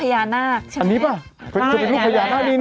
เป็นเหมือนลูกพญานาคใช่ไหม